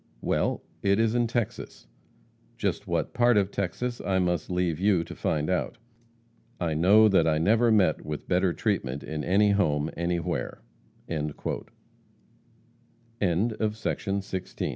Well, it is in Texas just what part of Texas I must leave you to find out. I know that I never met with better treatment in any home, anywhere." CHAPTER XLVI. EPISTLES OF JESSE JAM